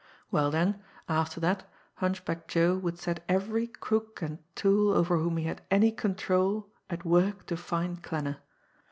Well then, after that, Hunchback Joe would set every crook and tool over whom he had any control at work to find Klanner.